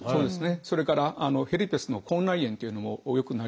それからヘルペスの口内炎というのもよくなります。